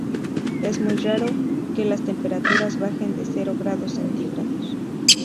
Es muy raro que las temperaturas bajen de cero grados centígrados.